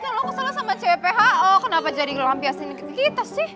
kalo lo kesel sama cepho kenapa jadi ngelampiasin ke kita sih